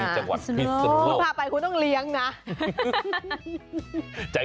จังหวัดพิษคุณพาไปคุณต้องเลี้ยงนะ